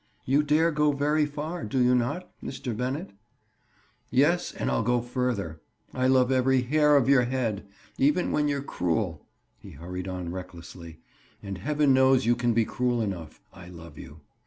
"You dare go very far, do you not, Mr. Bennett?" "Yes; and I'll go further. I love every hair of your head. Even when you're cruel," he hurried on recklessly, "and heaven knows you can be cruel enough, I love you.